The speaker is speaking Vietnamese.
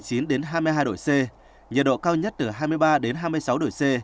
nhiệt độ cao nhất từ một mươi chín hai mươi hai độ c nhiệt độ cao nhất từ hai mươi ba hai mươi sáu độ c